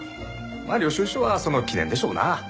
まあ領収書はその記念でしょうな。